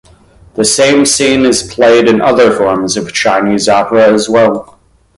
The same scene is played in other forms of Chinese opera as well.